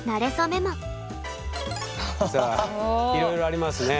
さあいろいろありますね。